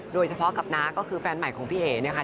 โดยเฉพาะกับน้าก็คือแฟนใหม่ของพี่เอ๋นะคะ